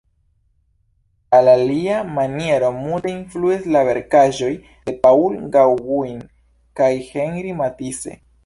Al lia kariero multe influis la verkaĵoj de Paul Gauguin kaj Henri Matisse.